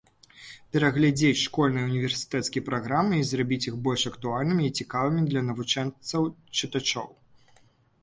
Пераглядзець школьныя і універсітэцкія праграмы і зрабіць іх больш актуальнымі і цікавымі для навучэнцаў-чытачоў.